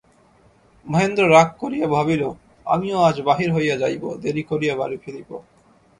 মহেন্দ্র রাগ করিয়া ভাবিল, আমিও আজ বাহির হইয়া যাইব–দেরি করিয়া বাড়ি ফিরিব।